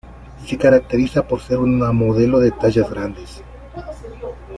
Se caracteriza por ser una modelo de tallas grandes.